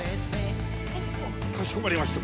かしこまりました。